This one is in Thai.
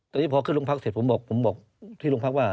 แต่พอขึ้นลงพักเสร็จผมบอกที่ลงพักว่า